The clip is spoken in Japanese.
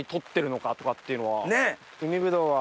ねっ。